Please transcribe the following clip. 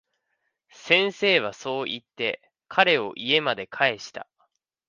先生はそう言って、彼を家まで帰した。